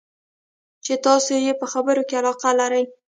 چې تاسې یې په خبرو کې علاقه لرئ.